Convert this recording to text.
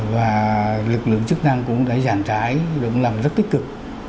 và lực lượng chức năng cũng đã giảm trái cũng làm rất tích cực